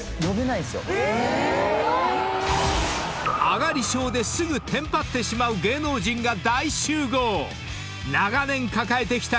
［あがり症ですぐテンパってしまう芸能人が大集合！］